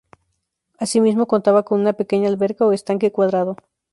Así mismo contaba con una pequeña alberca o estanque cuadrado.